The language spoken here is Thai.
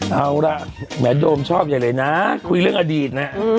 เอาล่ะแม่โดมชอบอย่างไรนะคุยเรื่องอดีตนะ